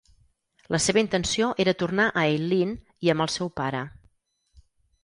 La seva intenció era tornar a Eileen i amb el seu pare.